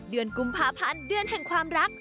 เดือนกุมภาพันธ์เดือนแห่งความรัก